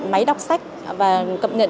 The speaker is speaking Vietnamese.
máy đọc sách và cập nhận